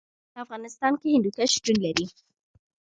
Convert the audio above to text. په افغانستان کې هندوکش شتون لري.